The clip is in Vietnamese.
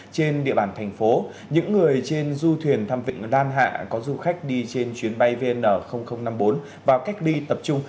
trên địa bàn thành phố những người trên du thuyền thăm vịnh đan hạ có du khách đi trên chuyến bay vn năm mươi bốn vào cách ly tập trung